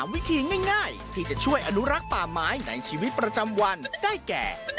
วิธีง่ายที่จะช่วยอนุรักษ์ป่าไม้ในชีวิตประจำวันได้แก่